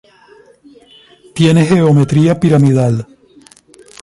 Tiene geometría piramidal.